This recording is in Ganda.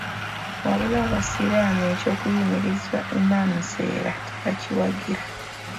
Wabula Abasiraamu eky'okuyimiriza Imam Nseera tebakiwagira.